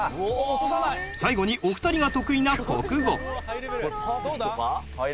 最後にお二人が得意な国語。